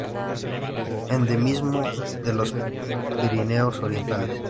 Endemismo de los Pirineos Orientales.